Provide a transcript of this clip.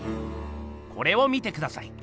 これを見てください。